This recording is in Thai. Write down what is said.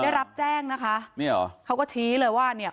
ได้รับแจ้งนะคะเนี่ยเหรอเขาก็ชี้เลยว่าเนี่ย